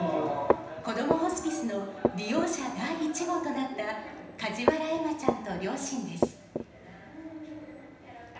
こどもホスピスの利用者第１号となった、梶原恵麻ちゃんと両親です。